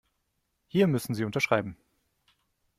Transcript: Hier müssen Sie unterschreiben.